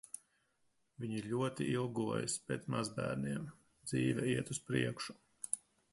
Viņi ļoti ilgojas pēc mazbērniem. Dzīve iet uz priekšu.